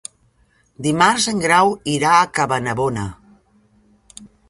Dimarts en Grau irà a Cabanabona.